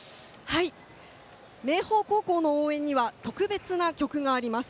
はい、明豊高校の応援には特別な曲があります。